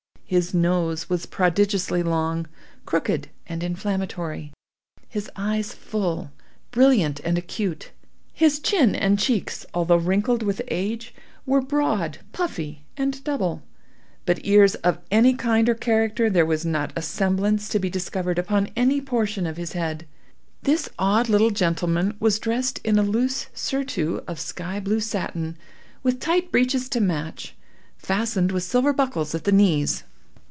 His nose was prodigiously long, crooked, and inflammatory; his eyes full, brilliant, and acute; his chin and cheeks, although wrinkled with age, were broad, puffy, and double; but of ears of any kind or character there was not a semblance to be discovered upon any portion of his head. This odd little gentleman was dressed in a loose surtout of sky blue satin, with tight breeches to match, fastened with silver buckles at the knees.